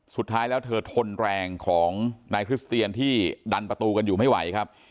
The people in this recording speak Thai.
สุดท้ายแล้วเธอทนแรงของนายคริสเตียนที่ดันประตูกันอยู่ไม่ไหวครับ